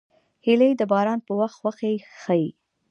هیلۍ د باران په وخت خوښي ښيي